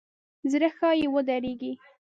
زړه ښایي ودریږي.